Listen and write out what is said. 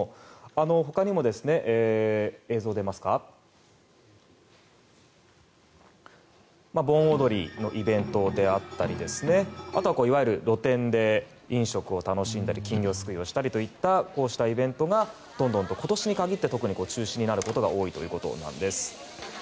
他にも盆踊りのイベントであったりあとはいわゆる露店で飲食を楽しんだり金魚すくいしたりといったイベントがどんどんと今年に限って中止になることが多いということなんです。